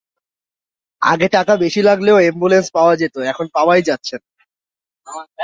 আগে টাকা বেশি লাগলেও অ্যাম্বুলেন্স পাওয়া যেত, এখন পাওয়াই যাচ্ছে না।